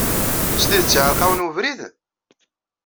S tidet iɛeṛeq-awen webrid?